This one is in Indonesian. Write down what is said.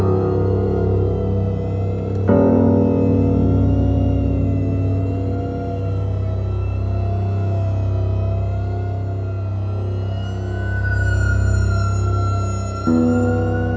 menurut gua juga cantik sih dia